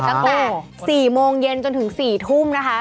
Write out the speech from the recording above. ตั้งแต่๔โมงเย็นจนถึง๔ทุ่มนะคะ